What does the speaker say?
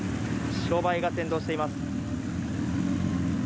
白バイが先導しています。